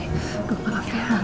aduh malah kena